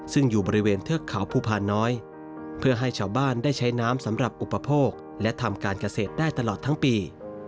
ซึ่งอยู่บริเวณเทือกเขาภูพาน้อยเพื่อให้ชาวบ้านได้ใช้น้ำสำหรับอุปโภคและทำการเกษตรได้ตลอดทั้งปี